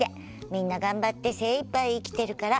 みんな頑張って精いっぱい生きてるから。